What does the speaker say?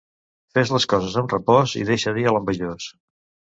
Fes les coses amb repòs i deixa dir a l'envejós.